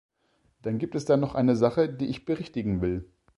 Dann gibt es da noch eine Sache, die ich berichtigen will.